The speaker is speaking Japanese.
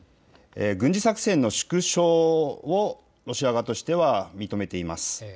軍事作戦の縮小をロシア側としては認めています。